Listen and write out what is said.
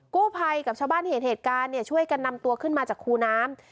กู้ภัยกับชาวบ้านเห็นเหตุการณ์เนี่ยช่วยกันนำตัวขึ้นมาจากคูน้ำ